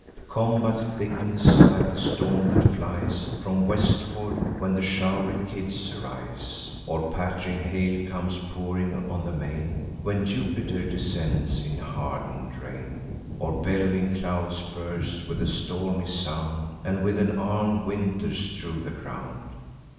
The combat thickens, like the storm that flies From westward, when the show'ry Kids arise; Or patt'ring hail comes pouring on the main, When Jupiter descends in harden'd rain, Or bellowing clouds burst with a stormy sound, And with an armed winter strew the ground.